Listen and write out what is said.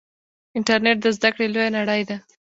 انټرنیټ د زده کړې لویه نړۍ ده.